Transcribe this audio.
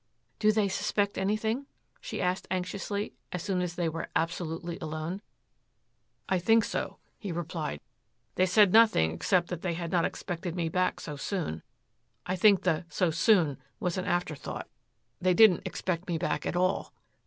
"Do they suspect anything?" she asked anxiously as soon as they were absolutely alone. "I think so," he replied. "They said nothing except that they had not expected me back so soon, I think the 'so soon' was an afterthought. They didn't expect me back at all.